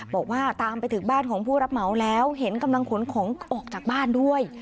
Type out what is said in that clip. บอกว่าตามไปถึงบ้านของผู้รับเหมาแล้วเห็นกำลังขนของออกจากบ้านด้วย